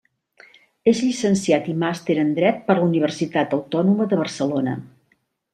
És llicenciat i Màster en Dret per la Universitat Autònoma de Barcelona.